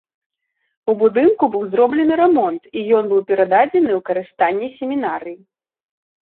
У будынку быў зроблены рамонт, і ён быў перададзены ў карыстанне семінарыі.